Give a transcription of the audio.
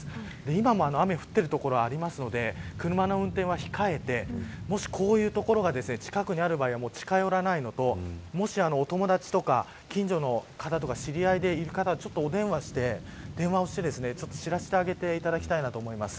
今も雨降ってる所があるので車の運転は控えてもし、こういう所が近くにあると近寄らないでもし、お友達とか近所の方とか知り合いでいる方は、お電話をして知らせてあげていただきたいと思います。